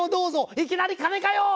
いきなり金かよ！